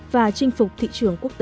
và chinh phục thị trường quốc tế